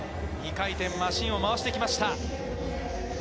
２回転マシンを回してきました。